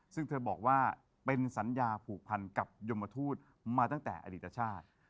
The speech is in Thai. ซึ่งเธอบอกว่าเป็นสัญญาผูกพันกับยมทูตมาตั้งแต่อดีตชาติ